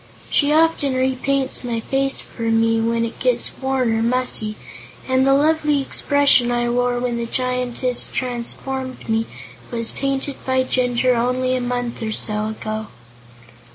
She often repaints my face for me, when it gets worn or mussy, and the lovely expression I wore when the Giantess transformed me was painted by Jinjur only a month or so ago."